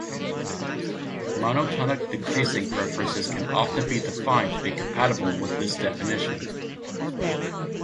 Monotonic decreasing preferences can often be defined to be compatible with this definition.